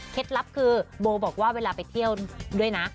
ลับคือโบบอกว่าเวลาไปเที่ยวด้วยนะ